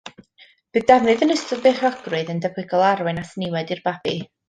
Bydd defnydd yn ystod beichiogrwydd yn debygol o arwain at niwed i'r babi.